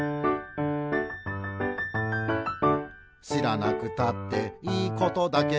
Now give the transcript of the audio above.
「しらなくたっていいことだけど」